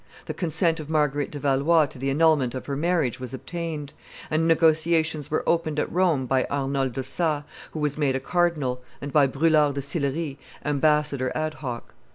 The consent of Marguerite de Valois to the annulment of her marriage was obtained; and negotiations were opened at Rome by Arnold d'Ossat, who was made a cardinal, and by Brulart de Sillery, ambassador ad hoc.